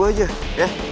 oh ya kan ne